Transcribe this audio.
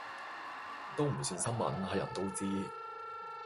都唔算新聞，係人都知